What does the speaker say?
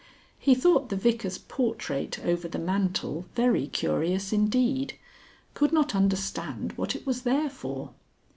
He thought the Vicar's portrait over the mantel very curious indeed, could not understand what it was there for.